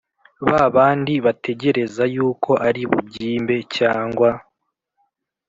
Ba bandi bategereza yuko ari bubyimbe cyangwa